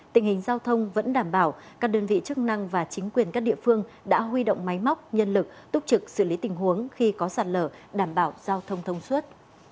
tình hình giao thông vẫn đảm bảo các đơn vị chức năng và chính quyền các địa phương đã huy động máy móc nhân lực túc trực xử lý tình huống khi có sạt lở đảm bảo giao thông thông suốt